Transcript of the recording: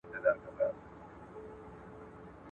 خیریه موسسې اوس د سرطان ژوندي پاتې کېدو شمېر خپروي.